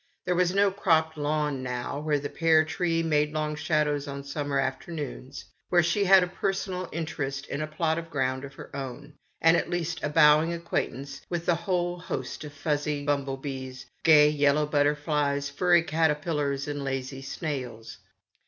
There was no cropped lawn, where the pear tree made long shadows on summer afternoons, where she had a personal interest in a plot of ground of her own, and at least a bowing acquaintance with a whole host of fussy bumble bees, gay yellow butter flies, furry caterpillars, and lazy snails.